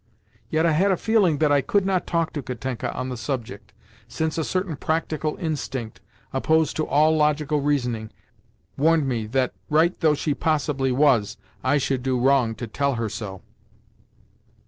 Yet, I had a feeling that I could not talk to Katenka on the subject, since a certain practical instinct, opposed to all logical reasoning, warned me that, right though she possibly was, I should do wrong to tell her so.